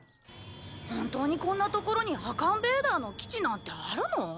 本当にこんなところにアカンベーダーの基地なんてあるの？